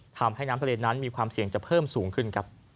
ทำให้น้ำทะเลนั้นมีความเสี่ยงจะเพิ่มสูงขึ้นครับ